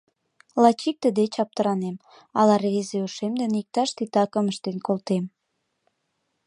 Лач икте деч аптыранем: ала рвезе ушем дене иктаж титакым ыштен колтем...